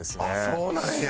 そうなんや。